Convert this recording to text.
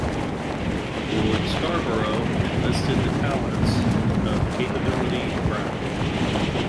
Lord Scarborough enlisted the talents of Capability Brown.